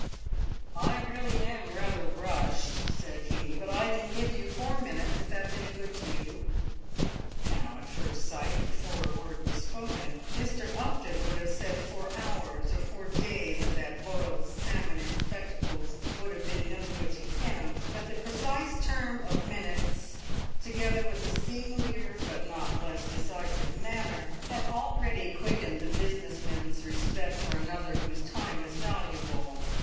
"I really am rather rushed," said he; "but I can give you four minutes, if that's any good to you." Now, at first sight, before a word was spoken, Mr. Upton would have said four hours or four days of that boiled salmon in spectacles would have been no good to him; but the precise term of minutes, together with a seemlier but not less decisive manner, had already quickened the business man's respect for another whose time was valuable.